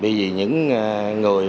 bởi vì những người